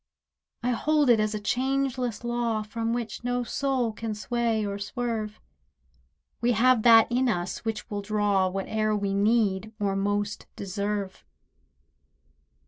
I hold it as a changeless law From which no soul can sway or swerve, We have that in us which will draw Whate'er we need or most deserve.